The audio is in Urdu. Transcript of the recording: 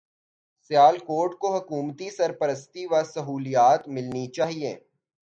سیالکوٹ کو حکومتی سرپرستی و سہولیات ملنی چاہیے